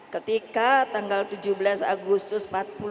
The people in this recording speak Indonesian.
ketika tanggal tujuh belas agustus empat puluh lima